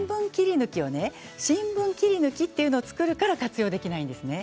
新聞切り抜きというのを作るから活用できないんです。